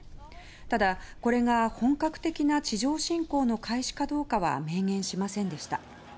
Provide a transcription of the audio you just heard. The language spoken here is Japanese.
ただ、これが本格的な地上侵攻の開始かどうかは明言しませんでした。